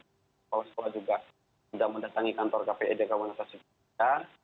sekolah sekolah juga tidak mendatangi kantor kpi jg wanasa sibiria